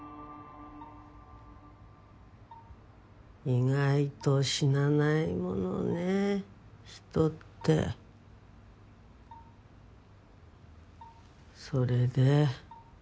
意外と死なないものね人ってそれで？